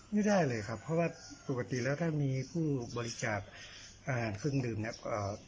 ไม่ได้เลยครับเพราะว่าปกติแล้วถ้ามีผู้บริจาคอ่าเครื่องดื่มเนี่ย